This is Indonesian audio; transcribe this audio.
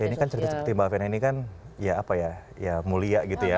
ini kan cerita seperti mbak fena ini kan ya apa ya mulia gitu ya